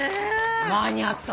間に合った。